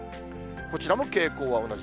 こちらも傾向は同じ。